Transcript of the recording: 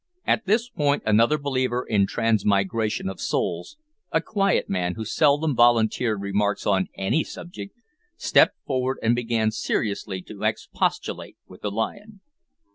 At this point another believer in transmigration of souls, a quiet man who seldom volunteered remarks on any subject, stepped forward and began seriously to expostulate with the lion.